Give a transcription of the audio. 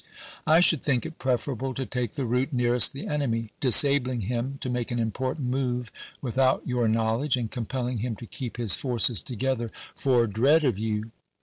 I should think it preferable to take the route nearest the enemy, disabling him to make an important move without your knowledge, and compelling him to keep his forces together for dread of you.